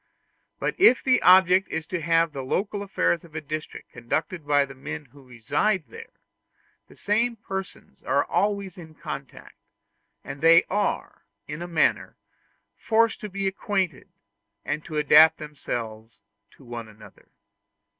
But if the object be to have the local affairs of a district conducted by the men who reside there, the same persons are always in contact, and they are, in a manner, forced to be acquainted, and to adapt themselves to one another.